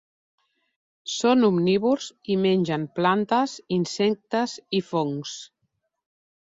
Són omnívors, i mengen plantes, insectes i fongs.